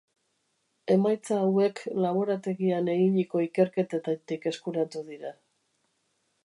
Emaitza hauek laborategian eginiko ikerketetatik eskuratu dira.